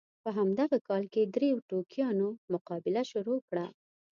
په همدغه کال کې دریو ټوکیانو مقابله شروع کړه.